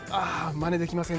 まねできません